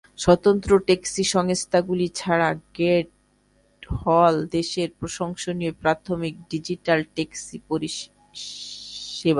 স্বতন্ত্র ট্যাক্সি সংস্থাগুলি ছাড়া, "গেট" হ'ল দেশের প্রশংসনীয় প্রাথমিক ডিজিটাল ট্যাক্সি পরিষেবা।